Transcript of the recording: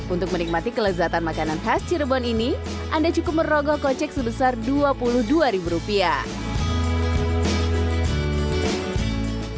untuk menikmati kelezatan makanan khas cirebon ini anda cukup merogoh kocek sebesar dua puluh dua ribu rupiah